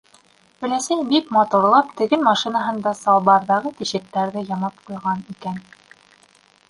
Өләсәй бик матурлап теген машинаһында салбарҙағы тишектәрҙе ямап ҡуйған икән.